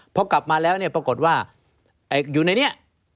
พอกลับมาแล้วเนี่ยปรากฏว่าอยู่ในนี้